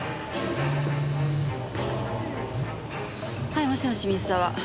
はいもしもし水沢。